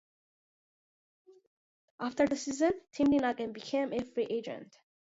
After the season, Timlin again became a free agent.